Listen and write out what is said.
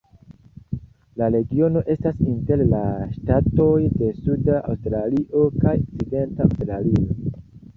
La regiono estas inter la ŝtatoj de Suda Aŭstralio kaj Okcidenta Aŭstralio.